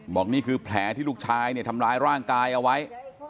นี่คือแผลที่ลูกชายเนี่ยทำร้ายร่างกายเอาไว้